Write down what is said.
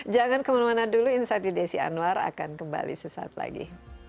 jangan kemana mana dulu insight with desi anwar akan kembali sesaat lagi